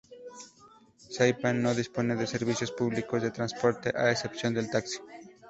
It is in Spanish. Saipán no dispone de servicios públicos de transporte, a excepción del taxi.